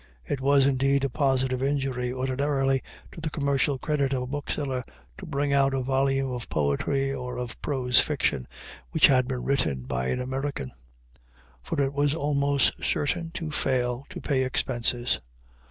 It was, indeed, a positive injury, ordinarily, to the commercial credit of a bookseller to bring out a volume of poetry or of prose fiction which had been written by an American; for it was almost certain to fail to pay expenses.